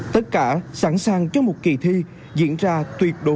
tất cả sẵn sàng cho một kỳ thi diễn ra tuyệt đối an toàn